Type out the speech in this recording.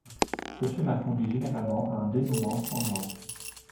Ce schéma conduit généralement à un dénouement sanglant.